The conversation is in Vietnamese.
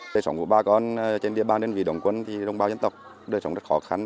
đời sống của bà con trên địa bàn đơn vị đồng quân thì đồng bào dân tộc đời sống rất khó khăn